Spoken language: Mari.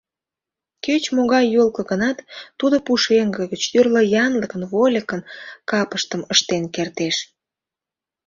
Кеч-могай йолко гынат, тудо пушеҥге гыч тӱрлӧ янлыкын, вольыкын капыштым ыштен кертеш!